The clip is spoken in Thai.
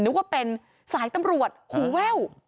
นึกว่าเป็นสายตำรวจหูแว่ว